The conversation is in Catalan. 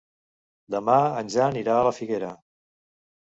Demà en Jan irà a la Figuera.